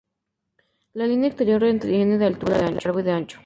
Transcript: La línea exterior tiene de altura, de largo y de ancho.